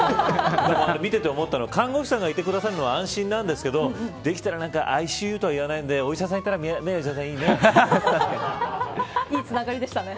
見てて思ったのは看護師いるのは安心なんですけどできたらＩＣＵとは言わないんでお医者さんいたらいいねいいつながりでしたね。